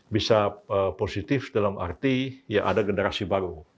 bisa positif dalam arti ya ada generasi baru